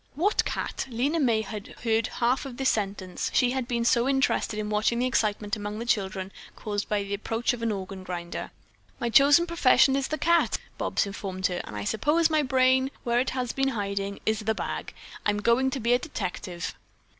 "What cat?" Lena May had only heard half of this sentence; she had been so interested in watching the excitement among the children caused by the approach of an organ grinder. "My chosen profession is the cat," Bobs informed her, "and I suppose my brain, where it has been hiding, is the bag. I'm going to be a detective."